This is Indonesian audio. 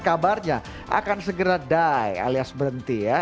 kabarnya akan segera die alias berhenti ya